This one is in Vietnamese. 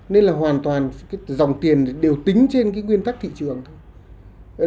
nên là hoàn toàn cái dòng tiền đều tính trên cái nguyên tắc thị trường thôi